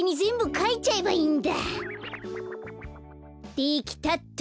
できたっと。